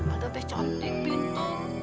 ada besok amu mugalis tuh